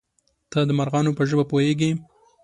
_ته د مرغانو په ژبه پوهېږې؟